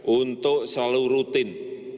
untuk selalu rutin